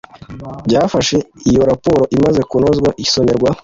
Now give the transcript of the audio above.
byafashwe Iyo raporo imaze kunozwa isomerwa